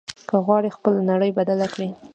که غواړې خپله نړۍ بدله کړې.